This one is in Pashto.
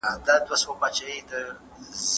ماته په رښتیا خوب راغی.